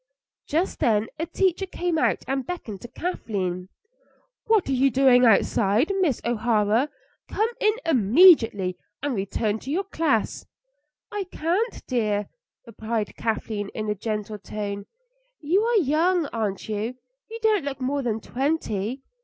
Just then a teacher came out and beckoned to Kathleen. "What are you doing outside, Miss O'Hara? Come in immediately and return to your class." "I can't dear," replied Kathleen in a gentle tone. "You are young, aren't you? You don't look more than twenty.